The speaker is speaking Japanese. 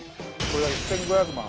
これが１，５００万。